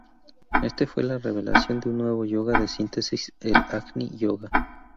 Este fue la revelación de un nuevo "Yoga de Síntesis", el Agni Yoga.